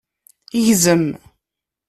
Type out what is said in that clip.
Gzem.